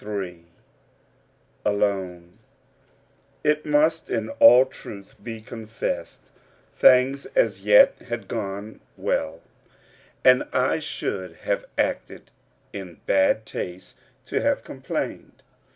CHAPTER 23 ALONE It must in all truth be confessed, things as yet had gone on well, and I should have acted in bad taste to have complained.